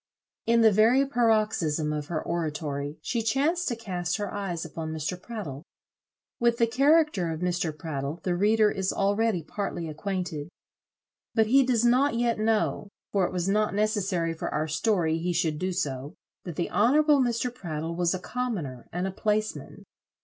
In the very paroxysm of her oratory she chanced to cast her eyes upon Mr. Prattle. With the character of Mr. Prattle, the reader is already partly acquainted. But he does not yet know, for it was not necessary for our story he should do so, that the honourable Mr. Prattle was a commoner and a placeman.